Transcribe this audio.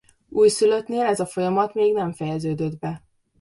Újszülöttnél ez a folyamat még nem fejeződött be.